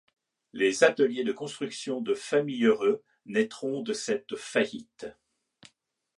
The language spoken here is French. Les ateliers de construction de Familleureux naîtront de cette faillite.